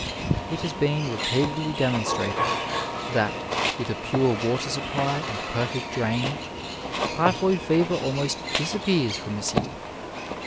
It has been repeatedly demonstrated that, with a pure water supply and perfect drainage, typhoid fever almost disappears from a city.